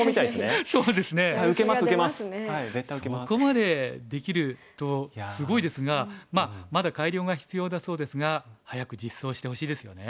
そこまでできるとすごいですがまだ改良が必要だそうですが早く実装してほしいですよね。